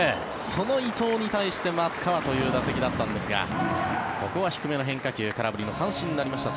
その伊藤に対して松川という打席だったんですがここは低めの変化球空振りの三振になりました。